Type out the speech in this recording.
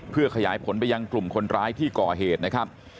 เพื่อขยายผลไปยังกลุ่มคนร้ายที่ก่อเหตุนะครับ